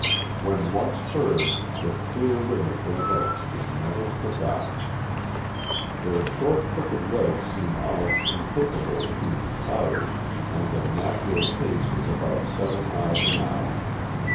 When once heard, the clear ring of their notes is never forgotten. Their short, crooked legs seem almost incapable of being tired, and their natural pace is about seven miles an hour.